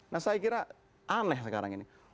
nah saya kira aneh sekarang ini